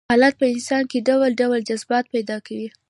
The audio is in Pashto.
حالات په انسان کې ډول ډول جذبات پيدا کوي.